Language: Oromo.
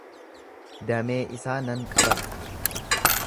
Damee isaa nan qabadha.